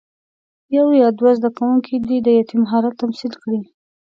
یو یا دوه زده کوونکي دې د یتیم حالت تمثیل کړي.